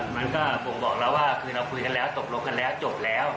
มันก็บ่งบอกแล้วว่าคือเราคุยกันแล้วตกลงกันแล้วจบแล้ว